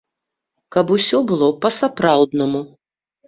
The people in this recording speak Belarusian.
Каб усё было па-сапраўднаму.